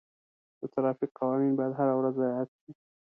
د ټرافیک قوانین باید هره ورځ رعایت شي.